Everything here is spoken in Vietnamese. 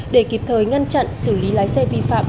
để kịp thời ngăn chặn xử lý lái xe vi phạm